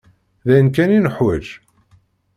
D ayen kan i nuḥwaǧ?